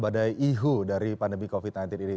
badai ihu dari pandemi covid sembilan belas ini